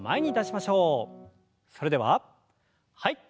それでははい。